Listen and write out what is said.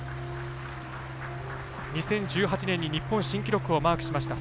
２０１８年に日本新記録をマークしました。